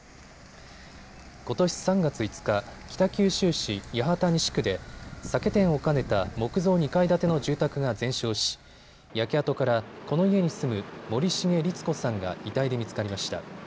ことし３月５日、北九州市八幡西区で酒店を兼ねた木造２階建ての住宅が全焼し、焼け跡からこの家に住む森重律子さんが遺体で見つかりました。